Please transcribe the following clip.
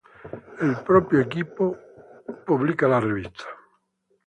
La revista es publicada por el propio equipo.